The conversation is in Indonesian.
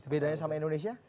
bedanya sama indonesia